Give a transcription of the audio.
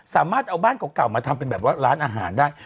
สามารถเอาบ้านเก่ามาทำเป็นแบบว่าร้านอาหารได้